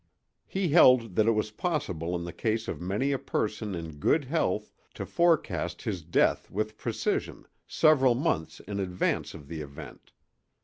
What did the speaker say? He held that it was possible in the case of many a person in good health to forecast his death with precision, several months in advance of the event.